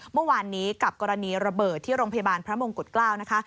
เมื่อวานนี้กับกรณีระเบิดที่โรงพยาบาลพระมงกุฎเกล้านะคะ